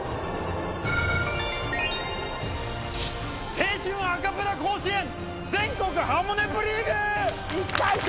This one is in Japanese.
『青春アカペラ甲子園全国ハモネプリーグ』１回戦！